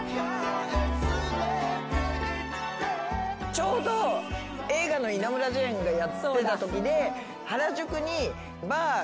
ちょうど映画の『稲村ジェーン』がやってたときで原宿に。